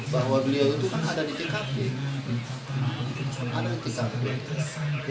bahwa beliau itu kan ada di tkp